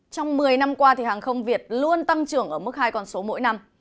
trong một mươi năm qua hàng không việt luôn tăng trưởng ở mức hai con số mỗi năm